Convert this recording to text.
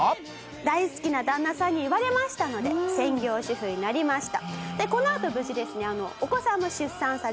大好きな旦那さんに言われましたので専業主婦になりました。